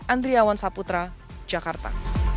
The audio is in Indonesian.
andriawan saputra jakarta